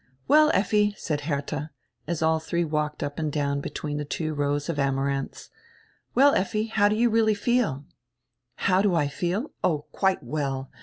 "Well, Effi," said Hertha, as all diree walked up and down between die two rows of amarandis, "well, Effi, how do you really feel?" "How do I feel? O, quite well.